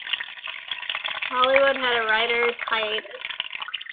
Hollywood had a writers hiatus.